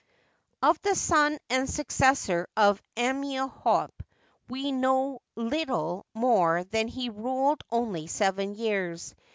Of the son and successor of Amenh6tep we know little more than that he ruled only seven years.